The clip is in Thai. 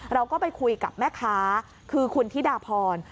เราก็ไปคุยกับแม่ค้าคือคุณธิดาพร